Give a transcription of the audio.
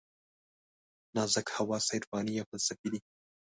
نازک حواس عرفاني یا فلسفي دي.